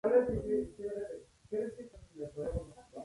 Las guerras medievales se resumen en asedios y guerra de desgaste.